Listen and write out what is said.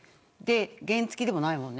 原付でもないもんね。